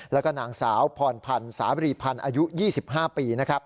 แล้วก็นางสาวพรพันธ์สาบรีพันธ์อายุ๒๕ปี